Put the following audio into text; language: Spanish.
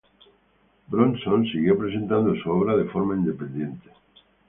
Bronson siguió presentando su obra de forma independiente.